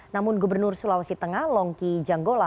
namun gubernur sulawesi tengah longki janggola